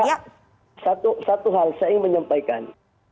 ya satu hal saya ingin menyampaikan